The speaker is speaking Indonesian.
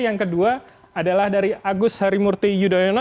yang kedua adalah dari agus harimurti yudhoyono